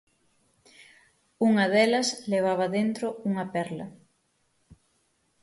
Unha delas levaba dentro unha perla.